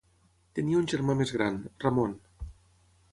Tenia un germà més gran, Ramon.